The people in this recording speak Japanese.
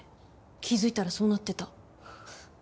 気づいたらそうなってた。